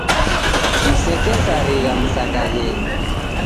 Msekesarigha msangaghenyi